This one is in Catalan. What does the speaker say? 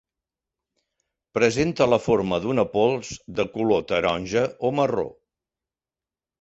Presenta la forma d'una pols de color taronja o marró.